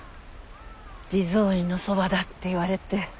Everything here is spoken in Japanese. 地蔵院のそばだって言われて。